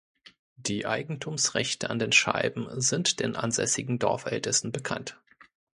Die Eigentumsrechte an den Scheiben sind den ansässigen Dorfältesten bekannt.